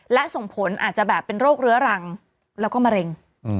และส่งผลอาจจะแบบเป็นโรคเรื้อรังแล้วก็มะเร็ง